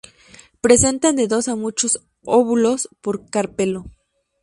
Presentan de dos a muchos óvulos por carpelo.